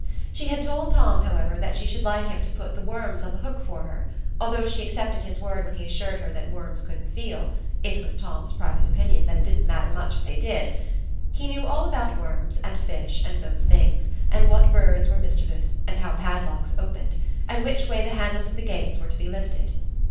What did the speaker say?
She had told Tom, however, that she should like him to put the worms on the hook for her, although she accepted his word when he assured her that worms couldn't feel (it was Tom's private opinion that it didn't much matter if they did). He knew all about worms, and fish, and those things; and what birds were mischievous, and how padlocks opened, and which way the handles of the gates were to be lifted.